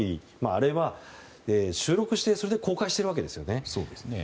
あれは、収録してそれで公開しているわけですよね。